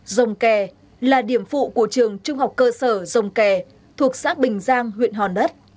dồng kè là điểm phụ của trường trung học cơ sở dông kè thuộc xã bình giang huyện hòn đất